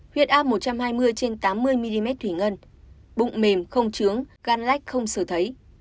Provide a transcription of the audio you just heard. huyết áp một trăm hai mươi trên tám mươi mm thủy ngân bụng mềm không trướng gan lách không sửa thấy